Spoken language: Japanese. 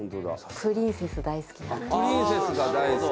プリンセスが大好き。